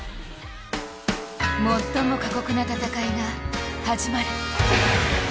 最も過酷な戦いが始まる。